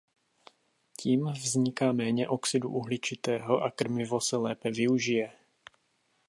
Tím vzniká méně oxidu uhličitého a krmivo se lépe využije.